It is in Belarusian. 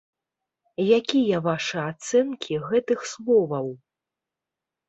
Якія вашы ацэнкі гэтых словаў?